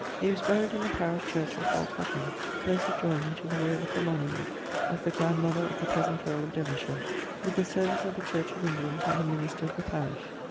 He was buried in the parish church of Hault Hucknall, close adjoining to the raile of the monument of the grandmother of the present earle of Devonshire, with the service of the Church of England by the minister of the parish.